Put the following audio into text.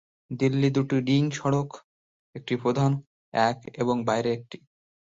দিল্লি দুটি রিং সড়ক, একটি প্রধান এক এবং বাইরের একটি।